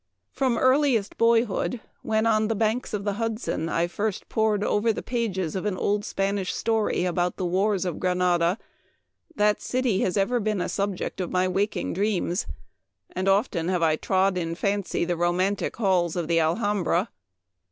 2 1 3 " From earliest boyhood, when, on the banks of the Hudson, I first pored over the pages of an old Spanish story about the wars of Granada, that city has ever been a subject of my waking dreams, and often have I trod in fancy the ro mantic halls of the Alhambra.